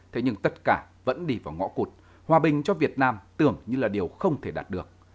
thế nhưng tất cả vẫn đi vào ngõ cụt hòa bình cho việt nam tưởng như là điều không thể đạt được